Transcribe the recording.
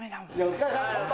お疲れさま